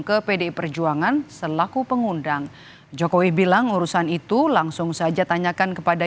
ke pdi perjuangan selaku pengundang jokowi bilang urusan itu langsung saja tanyakan kepada